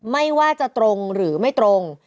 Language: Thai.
ไม่ว่าจะตรงหรือไม่ตรง